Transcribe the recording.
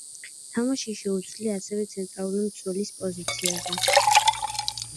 თამაში შეუძლია ასევე ცენტრალური მცველის პოზიციაზე.